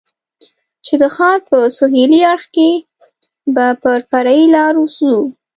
چې د ښار په سهېلي اړخ کې به پر فرعي لارو ځو.